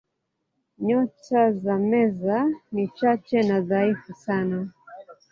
Nyota za Meza ni chache na dhaifu sana.